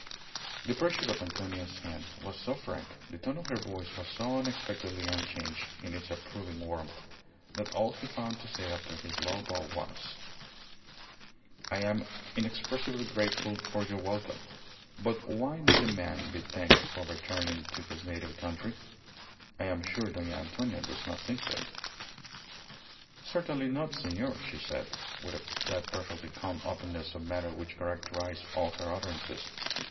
The pressure of Antonia's hand was so frank, the tone of her voice was so unexpectedly unchanged in its approving warmth, that all he found to say after his low bow was "I am inexpressibly grateful for your welcome; but why need a man be thanked for returning to his native country? I am sure Dona Antonia does not think so." "Certainly not, senor," she said, with that perfectly calm openness of manner which characterized all her utterances.